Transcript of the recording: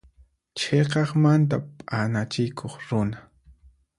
Chhiqaqmanta p'anachikuq runa.